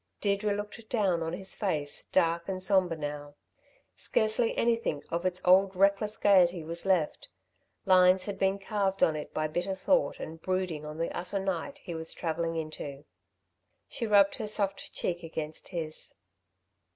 Deirdre looked down on his face, dark and sombre now. Scarcely anything of its old reckless gaiety was left. Lines had been carved on it by bitter thought and brooding on the utter night he was travelling into. She rubbed her soft cheek against his.